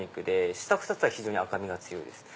下２つは非常に赤身が強いです。